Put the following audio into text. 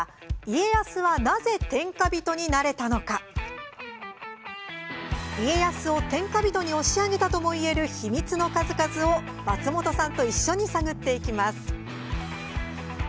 家康を天下人に押し上げたともいえる秘密の数々を松本さんと一緒に探っていきます。